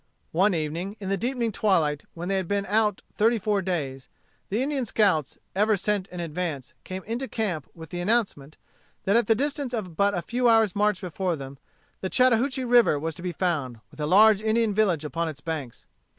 One evening, in the deepening twilight, when they had been out thirty four days, the Indian scouts, ever sent in advance, came into camp with the announcement, that at the distance of but a few hours' march before them, the Chattahoochee River was to be found, with a large Indian village upon its banks.